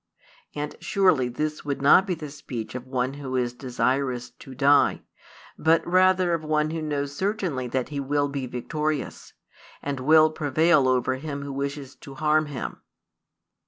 And surely this would not be the speech of one who is desirous to die, but rather of one who knows certainly that he will be victorious, and will prevail over him who wishes to harm him.